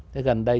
thế gần đây